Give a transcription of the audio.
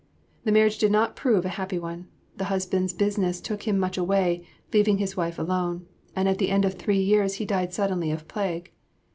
The marriage did not prove a happy one; the husband's business took him much away, leaving his wife alone, and at the end of three years he died suddenly of plague.